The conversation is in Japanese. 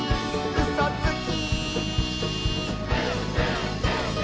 「うそつき！」